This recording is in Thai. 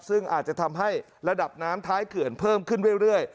ซึ่งอาจจะทำให้ระดับน้ำท้ายเขื่อนเพิ่มขึ้นเรื่อย